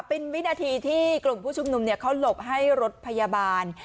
เป็นวินาทีที่กลุ่มผู้ชุมนุมเขาหลบให้รถพยาบาล